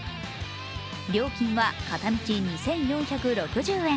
料金は片道２４６０円。